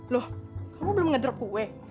loh kamu belum ngedrop kue